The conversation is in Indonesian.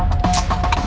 aku mau ke rumah